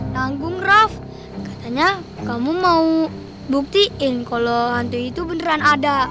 tanggung rafa katanya kamu mau buktiin kalo hantu itu beneran ada